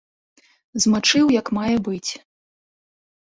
Змачыў як мае быць.